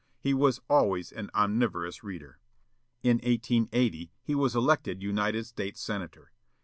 He was always an omnivorous reader. In 1880, he was elected United States senator.